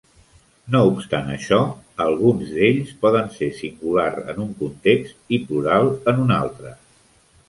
No obstant això, alguns d'ells poden ser singular en un context i plural en un altre.